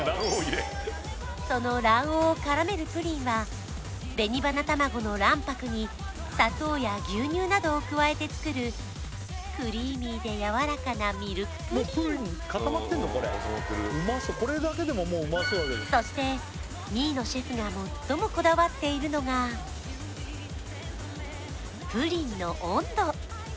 その卵黄を絡めるプリンは紅花たまごの卵白に砂糖や牛乳などを加えて作るクリーミーでやわらかなミルクプリンそして新野シェフが最もこだわっているのがプリンの温度